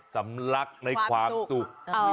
สำลักในความสุข